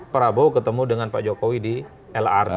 prabowo ketemu dengan pak jokowi di lrt